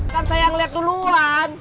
kan saya yang liat duluan